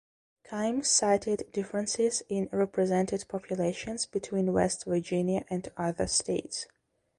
Kimes cited differences in represented populations between West Virginia and other states.